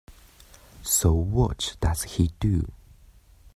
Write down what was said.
So what does he do?